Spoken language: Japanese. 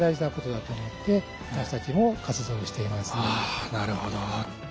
あなるほど。